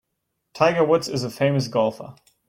Tiger Woods is a famous golfer.